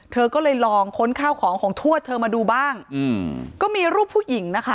เธอก็เลยลองค้นข้าวของของทวดเธอมาดูบ้างอืมก็มีรูปผู้หญิงนะคะ